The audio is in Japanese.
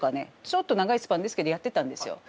ちょっと長いスパンですけどやってたんですよ。